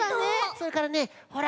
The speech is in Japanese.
それからねほら